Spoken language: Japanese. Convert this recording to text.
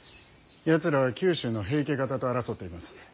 やつらは九州の平家方と争っています。